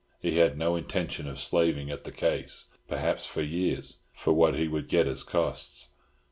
He had no intention of slaving at the case, perhaps for years, for what he would get as costs.